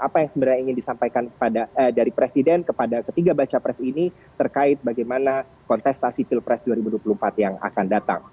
apa yang sebenarnya ingin disampaikan dari presiden kepada ketiga baca pres ini terkait bagaimana kontestasi pilpres dua ribu dua puluh empat yang akan datang